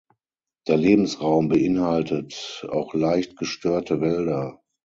Der Lebensraum beinhaltet auch leicht gestörte Wälder.